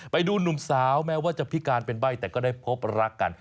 ไปดูหนุ่มสาวแม้ว่าจะพิการเป็นใบ้แต่ก็ได้พบรักกัน